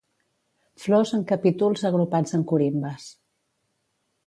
Flors en capítols agrupats en corimbes.